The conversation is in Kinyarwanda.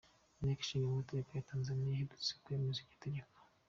Inteko ishingamategeko ya Tanzaniya iherutse kwemeza iryo tegeko.